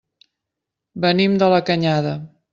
Venim de la Canyada.